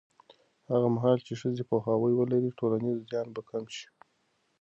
هغه مهال چې ښځې پوهاوی ولري، ټولنیز زیان به کم شي.